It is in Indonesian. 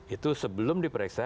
itu sebelum diperiksa